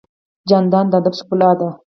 جانداد د ادب ښکلا ده.